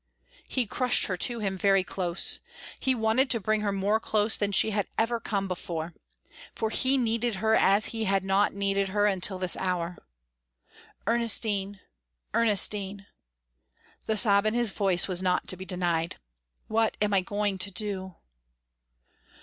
He crushed her to him very close. He wanted to bring her more close than she had ever come before. For he needed her as he had not needed her until this hour. "Ernestine! Ernestine!" the sob in his voice was not to be denied "What am I going to do?"